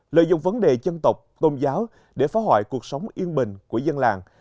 lợi dụng vấn đề dân tộc tôn giáo để phá hoại cuộc sống yên bình của dân làng